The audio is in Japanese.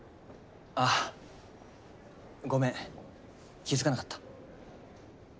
あっごめん気付かなかった。